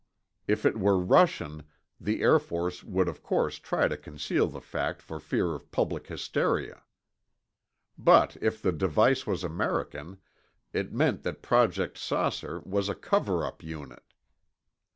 If it were Russian, the Air Force would of course try to conceal the fact for fear of public hysteria. But if the device was American, it meant that Project "Saucer" was a cover up unit.